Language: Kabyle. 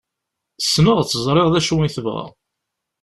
Ssneɣ-tt, ẓriɣ d acu i tebɣa.